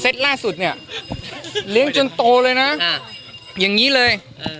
ล่าสุดเนี่ยเลี้ยงจนโตเลยนะอย่างนี้เลย